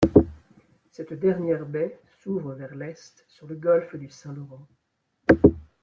Cette dernière baie s'ouvre vers l'Est sur le golfe du Saint-Laurent.